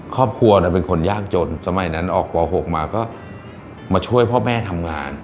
ครอบครัวเป็นคนยากจนสมัยนั้นออกป๖มาก็มาช่วยพ่อแม่ทำงาน